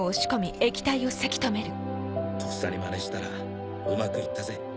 とっさにマネしたらうまくいったぜ。